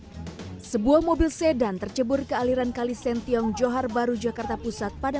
hai sebuah mobil sedan tercebur ke aliran kalisention johar baru jakarta pusat pada